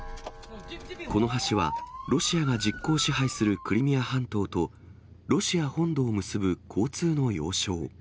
この橋は、ロシアが実効支配するクリミア半島とロシア本土を結ぶ交通の要衝。